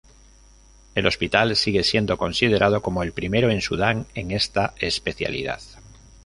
El hospital sigue siendo considerado como el primero en Sudán en esta especialidad.